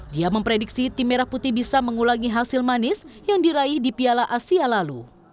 dia memprediksi tim merah putih bisa mengulangi hasil manis yang diraih di piala asia lalu